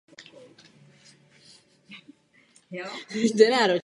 Městem také prochází Dunajská cyklostezka.